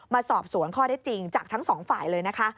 มาสอบสวนข้อได้จริงจากทั้งสองฝ่ายเลยนะคะ